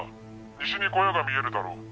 西に小屋が見えるだろ。